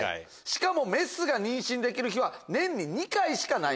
しかもメスが妊娠できる日は年に２回しかないんです。